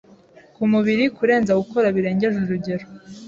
ku mubiri kurenza gukora birengeje urugero;